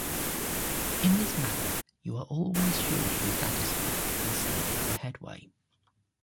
In this manner, you are always sure to be satisfied concerning the headway.